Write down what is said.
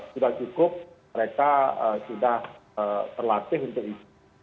sudah cukup mereka sudah terlatih untuk itu